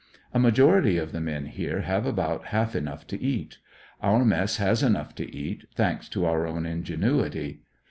A majority of the men here have about half enough to eat. Our mess has enough to eat, thanks to our own ingenuity.